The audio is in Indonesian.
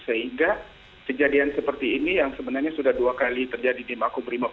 sehingga kejadian seperti ini yang sebenarnya sudah dua kali terjadi di makobrimob